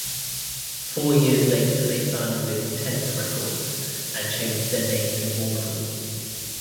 Four years later they signed with Intense Records and changed their name to Mortal.